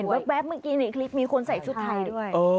แป๊บเมื่อกี้ในคลิปมีคนใส่ชุดไทยด้วย